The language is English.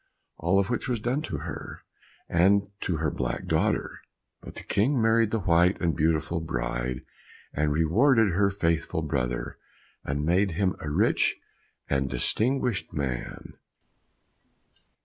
All of which was done to her, and to her black daughter. But the King married the white and beautiful bride, and rewarded her faithful brother, and made him a rich and distinguished man.